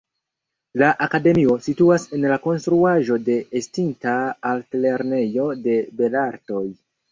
La Akademio situas en la konstruaĵo de estinta Altlernejo de belartoj.